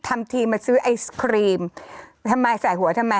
ทำทีมาซื้อไอศครีมทำไมใส่หัวทำไม